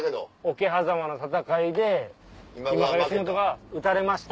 桶狭間の戦いで今川義元が討たれました